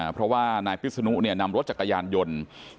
เพราะว่านายพิศนุนำรถจักรยานยนต์